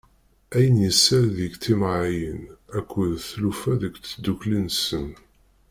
Ayen yessal deg timɛayin akked tlufa deg tddukli-nsen.